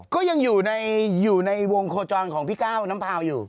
ก็ยังอยู่ในวงโคจรของพี่ก้าวน้ำพาวอยู่